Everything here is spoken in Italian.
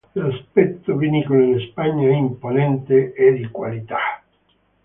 L'aspetto vinicolo in Spagna è imponente e di qualità.